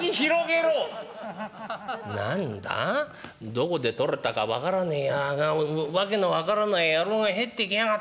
どこで取れたか分からねえ訳の分からない野郎が入ってきやがったなおい。